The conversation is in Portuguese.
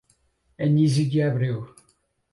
Anísio de Abreu